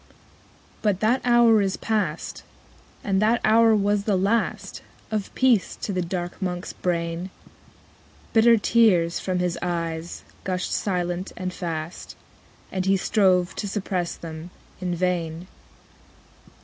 _15 3. But that hour is past; And that hour was the last Of peace to the dark Monk's brain. Bitter tears, from his eyes, gushed silent and fast; And he strove to suppress them in vain.